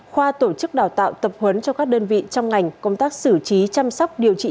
khoa tổ chức đào tạo tập huấn cho các đơn vị trong ngành công tác xử trí chăm sóc điều trị